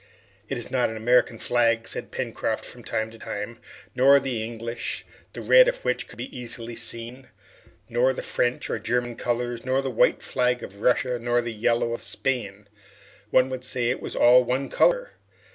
"It is not the American flag," said Pencroft from time to time, "nor the English, the red of which could be easily seen, nor the French or German colors, nor the white flag of Russia, nor the yellow of Spain. One would say it was all one color.